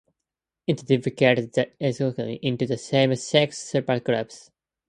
It divided the eukaryotes into the same six "supergroups".